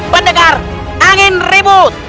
mendengar angin ribut